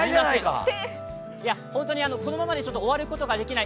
本当に、このままでは終わることができない